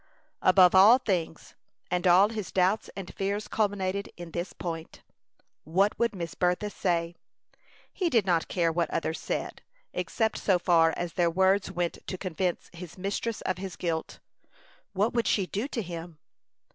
Above all things, and all his doubts and fears culminated in this point, what would Miss Bertha say? He did not care what others said, except so far as their words went to convince his mistress of his guilt. What would she do to him?